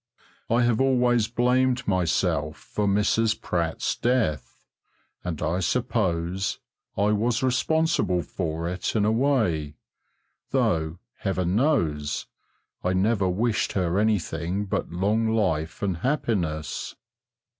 I have always blamed myself for Mrs. Pratt's death, and I suppose I was responsible for it in a way, though heaven knows I never wished her anything but long life and happiness.